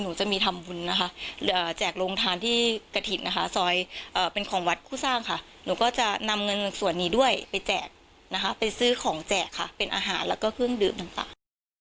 หนูจะมีทำบุญนะคะแจกโรงทานที่กระถิ่นนะคะซอยเป็นของวัดคู่สร้างค่ะหนูก็จะนำเงินส่วนนี้ด้วยไปแจกนะคะไปซื้อของแจกค่ะเป็นอาหารแล้วก็เครื่องดื่มต่าง